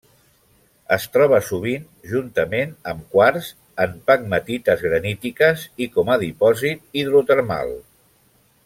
Es troba sovint juntament amb quars, en pegmatites granítiques i com a dipòsit hidrotermal.